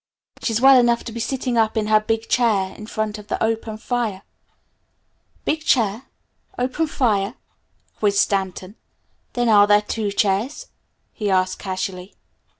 "She's well enough to be sitting up in her big chair in front of her open fire." "Big chair open fire?" quizzed Stanton. "Then, are there two chairs?" he asked casually.